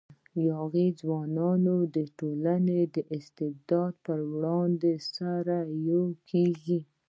یاغي ځوانان د ټولنیز استبداد پر وړاندې سره یو ځای کېږي.